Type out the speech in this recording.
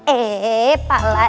eh pak lain